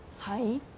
はい？